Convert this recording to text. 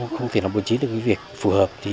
không thể bổ trí được việc phù hợp